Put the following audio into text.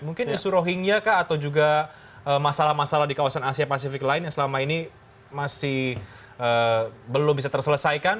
mungkin isu rohingya kah atau juga masalah masalah di kawasan asia pasifik lain yang selama ini masih belum bisa terselesaikan